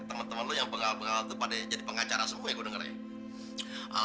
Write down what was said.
eh temen temen lu yang pengal pengal depan deh jadi pengacara semua ya gue dengerin